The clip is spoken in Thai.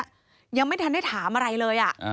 ยังไม่ทันได้ถามอะไรเลย